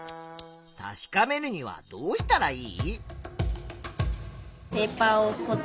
確かめるにはどうしたらいい？